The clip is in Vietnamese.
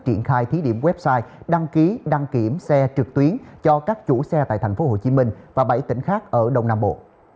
triển khai thí điểm website đăng ký đăng kiểm xe trực tuyến cho các chủ xe tại tp hcm và bảy tỉnh khác ở đông nam bộ